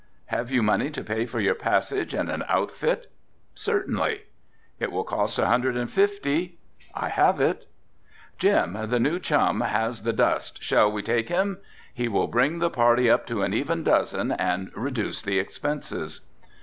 "Have you money to pay for your passage and an outfit?" "Certainly." "It will cost a hundred and fifty." "I have it." "Jim, the new chum has the dust, shall we take him? He will bring the party up to an even dozen and reduce the expenses."